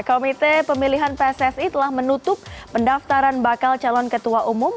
komite pemilihan pssi telah menutup pendaftaran bakal calon ketua umum